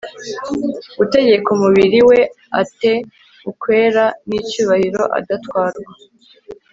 gutegeka umubiri we a te ukwera n icyubahiro adatwarwa